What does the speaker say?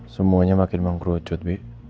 semuanya makin mengkerucut bi